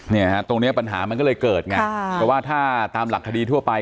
ตรงเนี้ยปัญหามันก็เลยเกิดไงเพราะว่าถ้าตามหลักคดีทั่วไป